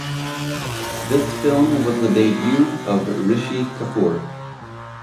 This film was the debut of Rishi Kapoor.